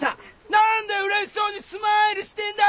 何でうれしそうにスマイルしてんだ！